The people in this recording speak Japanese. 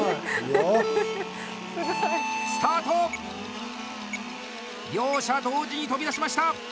スタート！両者同時に飛び出しました。